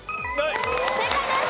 正解です。